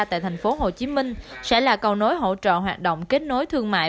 tại tp hcm sẽ là cầu nối hỗ trợ hoạt động kết nối thương mại